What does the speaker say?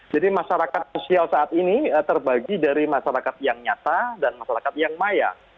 jadi masyarakat sosial saat ini terbagi dari masyarakat yang nyata dan masyarakat yang maya